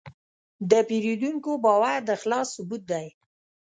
د پیرودونکي باور د اخلاص ثبوت دی.